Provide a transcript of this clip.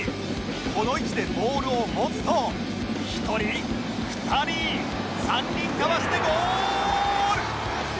この位置でボールを持つと１人２人３人かわしてゴール！